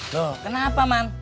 loh kenapa man